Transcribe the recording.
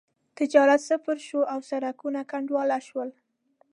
تجارت صفر شو او سړکونه کنډواله شول.